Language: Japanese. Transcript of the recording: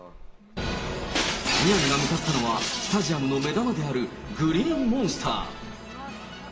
宮根が向かったのは、スタジアムの目玉であるグリーンモンスター。